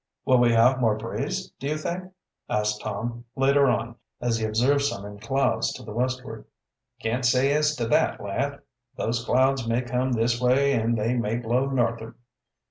"Will we have more breeze, do you think?" asked Tom, later on, as he observed some in clouds to the westward. "Can't say as to that, lad. Those clouds may come this way and they may blow north'ard.